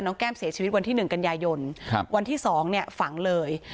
แก้มเสียชีวิตวันที่๑กันยายนวันที่๒เนี่ยฝังเลย